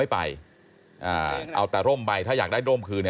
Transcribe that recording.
ถ้าเขาถูกจับคุณอย่าลืม